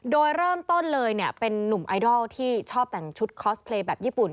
โดยเริ่มต้นเลยเป็นนุ่มไอดอลที่ชอบแต่งชุดคอสเพลย์แบบญี่ปุ่น